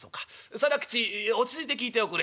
定吉落ち着いて聞いておくれ。